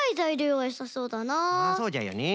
そうじゃよね。